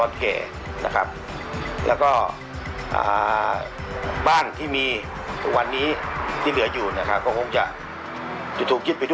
ยาท่าน้ำขาวไทยนครเพราะทุกการเดินทางของคุณจะมีแต่รอยยิ้ม